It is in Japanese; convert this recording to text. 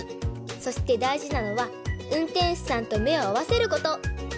そしてだいじなのはうんてんしゅさんとめをあわせること！